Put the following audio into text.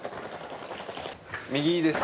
右です。